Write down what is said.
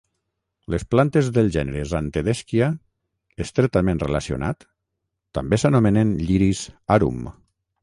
Les plantes del gènere "Zantedeschia", estretament relacionat, també s'anomenen "lliris arum".